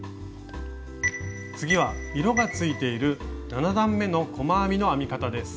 次は色がついている７段めの細編みの編み方です。